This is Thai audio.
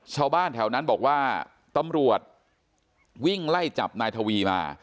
ชาวบ้านแถวนั้นบอกว่าตำรวจวิ่งไล่จับนายทวีมา